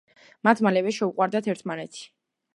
მათ მალევე შეუყვარდათ ერთმანეთი.